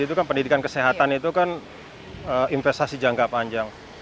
itu kan pendidikan kesehatan itu kan investasi jangka panjang